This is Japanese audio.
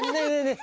え